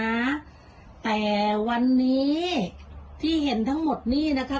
นะแต่วันนี้ที่เห็นทั้งหมดนี้นะคะ